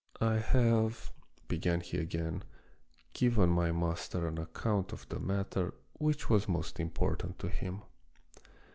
" I have," began he again, " given my master an account of the matter which was most impor tant to him.